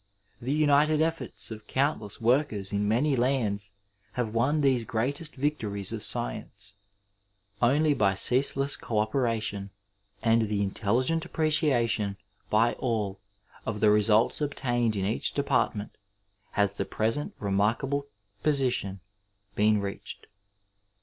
The united efforts of coimtless workers in many lands have won these greatest victories of science. Only by ceaseless co operation and the intelligent appreciation 451 Digitized by VjOOQIC UNITY, PEACE, AND (CONCORD by all of the results obtained in each department has the present remarkable position been reached.